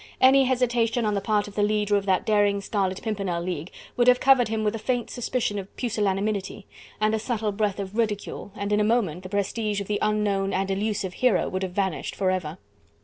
Any hesitation on the part of the leader of that daring Scarlet Pimpernel League would have covered him with a faint suspicion of pusillanimity, and a subtle breath of ridicule, and in a moment the prestige of the unknown and elusive hero would have vanished forever.